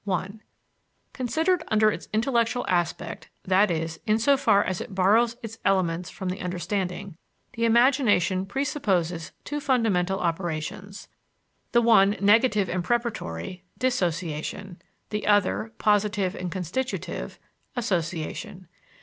I Considered under its intellectual aspect, that is, in so far as it borrows its elements from the understanding, the imagination presupposes two fundamental operations the one, negative and preparatory, dissociation; the other, positive and constitutive, association.